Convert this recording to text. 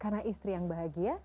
karena istri yang bahagia